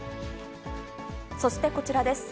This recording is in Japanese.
そしてこちらです。